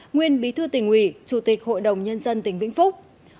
nguyên bí thư tình hủy chủ tịch hội đồng nhân dân tỉnh vĩnh phúc